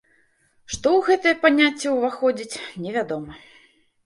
Што ў гэтае паняцце ўваходзіць, невядома.